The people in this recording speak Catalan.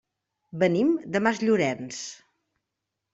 Venim de Masllorenç.